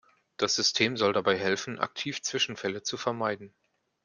Das System soll dabei helfen, aktiv Zwischenfälle zu vermeiden.